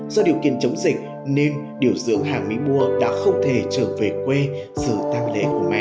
do điều kiện chống dịch nên điều dưỡng hạng mỹ mùa đã không thể trở về quê dự tăng lễ của mẹ